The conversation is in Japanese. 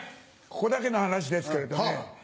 ここだけの話ですけれどね